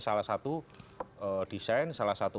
salah satu desain salah satu